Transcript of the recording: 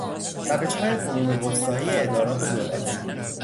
روشهای قرون وسطایی ادارات دولتی